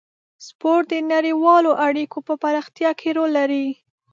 سپورت د نړیوالو اړیکو په پراختیا کې رول لري.